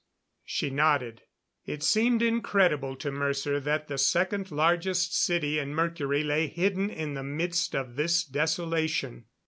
She nodded. It seemed incredible to Mercer that the second largest city in Mercury lay hidden in the midst of this desolation.